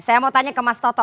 saya mau tanya ke mas toto